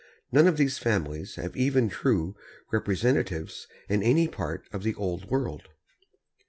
None of these families have even true representatives in any part of the Old World."